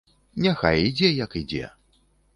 Няхай ідзе, як ідзе!